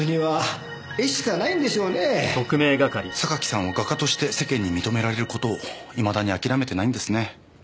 榊さんは画家として世間に認められることをいまだに諦めてないんですね。